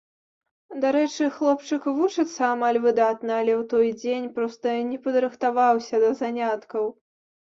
Дарэчы, хлопчык вучыцца амаль выдатна, але у той дзень проста не падрыхтаваўся да заняткаў.